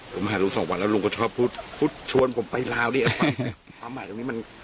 ผมหาลุงสองวันแล้วลุงก็ชอบพูดพูดชวนผมไปลาวดีอะไรความหมายตรงนี้มัน